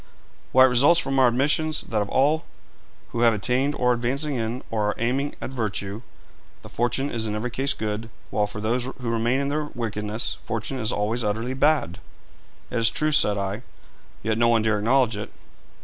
'Why, it results from our admissions that of all who have attained, or are advancing in, or are aiming at virtue, the fortune is in every case good, while for those who remain in their wickedness fortune is always utterly bad.' 'It is true,' said I; 'yet no one dare acknowledge it.'